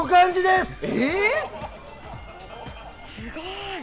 すごい。